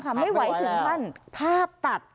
ไม่ไหวแล้วภาพตัด